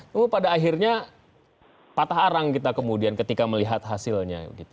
tapi pada akhirnya patah arang kita kemudian ketika melihat hasilnya